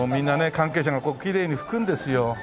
関係者がきれいに拭くんですよ。